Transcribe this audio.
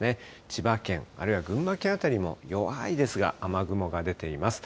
千葉県、あるいは群馬県辺りも、弱いですが、雨雲が出ています。